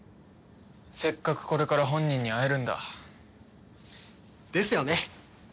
せっかくこれから本人に会えるんだ。ですよね。